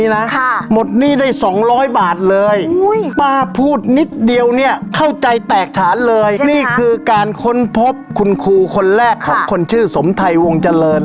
นี่คือการค้นพบคุณครูคนแรกของคนชื่อสมไทยวงเจริญ